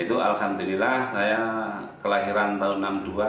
itu alhamdulillah saya kelahiran tahun enam puluh dua